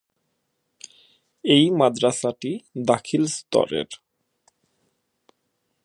এই মাদ্রাসাটি দাখিল স্তরের।